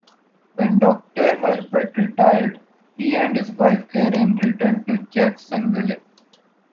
When Doctor Herbert retired, he and his wife Karen returned to Jacksonville.